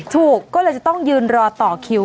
ถูกก็เลยจะต้องยืนรอต่อคิว